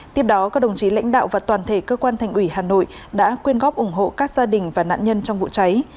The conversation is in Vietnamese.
tiếp đó các đồng chí lãnh đạo và toàn thể cơ quan thành ủy hà nội đã quyên góp ủng hộ các gia đình và nạn nhân trong vụ cháy